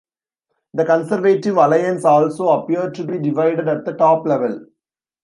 The Conservative Alliance also appeared to be divided at the top level.